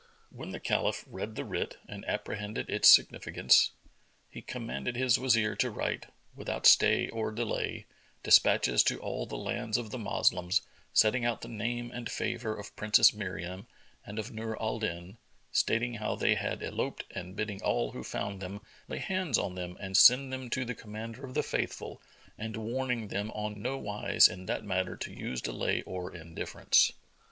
When the Caliph read the writ and apprehended its significance, he commanded his Wazir to write, without stay or delay, despatches to all the lands of the Moslems, setting out the name and favour of Princess Miriam and of Nur al Din, stating how they had eloped and bidding all who found them lay hands on them and send them to the Commander of the Faithful, and warning them on no wise in that matter to use delay or indifference.